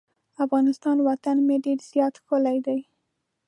افغانستان وطن مې ډیر زیات ښکلی دی.